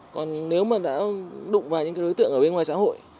còn nếu mà đã đụng vào những cái đối tượng ở bên ngoài xã hội